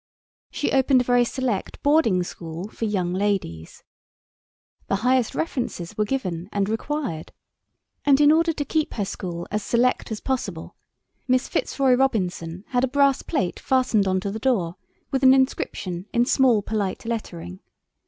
She opened a very select Boarding School for Young Ladies. The highest references were given and required. And in order to keep her school as select as possible, Miss Fitzroy Robinson had a brass plate fastened on to the door, with an inscription in small polite lettering.